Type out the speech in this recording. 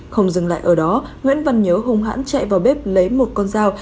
không dừng lại ở đó nguyễn văn nhớ hùng hãn chạy vào bếp lấy một con dao